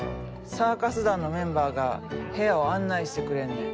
サーカス団のメンバーが部屋を案内してくれんねん。